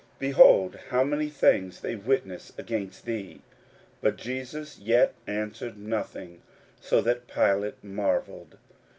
behold how many things they witness against thee. 41:015:005 But Jesus yet answered nothing; so that Pilate marvelled.